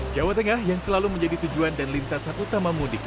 jawa tengah yang selalu menjadi tujuan dan lintasan utama mudik